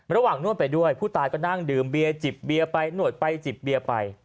ระหว่างนวดไปด้วยผู้ตายก็นั่งดื่มเบียร์จิบเบียร์ไปนวดไปจิบเบียร์ไป